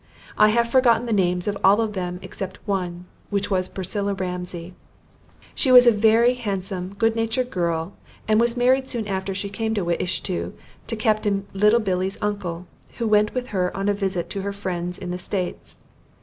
I have forgotten the names of all of them except one, which was Priscilla Ramsay. She was a very handsome, good natured girl, and was married soon after she came to Wiishto to Capt. Little Billy's uncle, who went with her on a visit to her friends in the states.